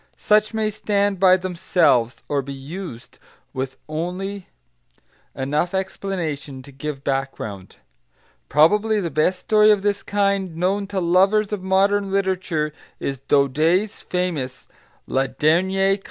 Such may stand by themselves, or be used with only enough explanation to give background. Probably the best story of this kind known to lovers of modern literature is Daudet's famous La Dernière Classe.